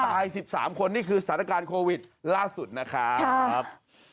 ๑๓คนนี่คือสถานการณ์โควิดล่าสุดนะครับ